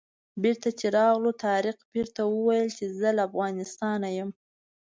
بېرته چې راغلو طارق پیر ته وویل چې زه له افغانستانه یم.